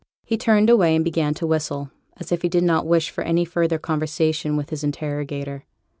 He turned away, and began to whistle, as if he did not wish for any further conversation with his interrogator.